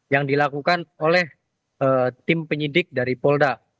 yang dilakukan oleh tim penyidik dari polda